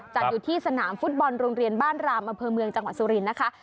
จัดอยู่ที่สนามฟุตบอลโรงเรียนบ้านรามอำเภอเมืองจังหวัดสุรินทร์นะคะ